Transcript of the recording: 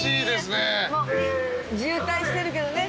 渋滞してるけどね。